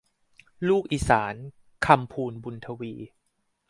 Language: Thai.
ลูกอีสาน - คำพูน บุญทวี